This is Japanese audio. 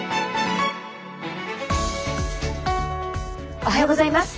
おはようございます。